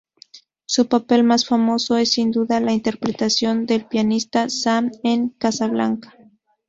Su papel más famoso es sin duda la interpretación del pianista "Sam" en "Casablanca.